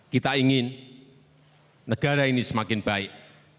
kita ingin negara ini semakin baik